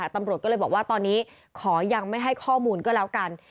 ตำรวจก็เลยบอกว่าตอนนี้ขอยังไม่ให้ข้อมูลก็แล้วกัน